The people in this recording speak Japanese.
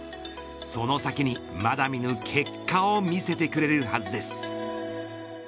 その先に、まだ見ぬ結果を見せてくれるはずです。